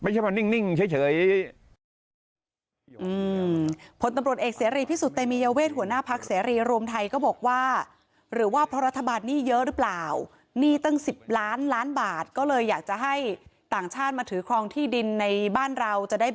หยุดไว้ก่อนเพราะประชาชนเขาไม่ยอมรับ